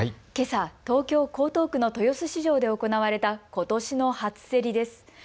けさ東京江東区の豊洲市場で行われたことしの初競りです。